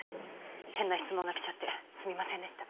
変な質問がきちゃってすみませんでした